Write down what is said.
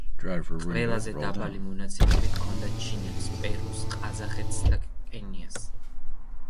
ყველაზე დაბალი მონაცემები ჰქონდა ჩინეთს, პერუს, ყაზახეთს და კენიას.